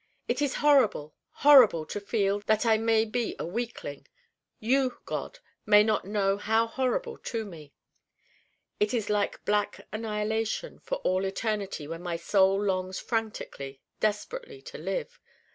It is horrible, horrible to feel that I may be a weakling you, God, may not know how horrible to me. It is like black annihilation for all eternity when my Soul longs frantically, desperately to live.